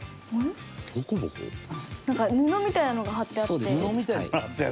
芦田：なんか、布みたいなのが貼ってあって。